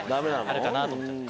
あるかな？と思っちゃって。